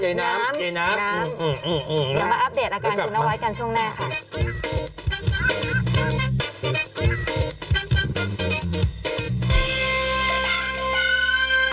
เดี๋ยวมาอัปเดตอาการคุณนวัดกันช่วงหน้าค่ะ